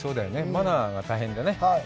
マナーが大変だね。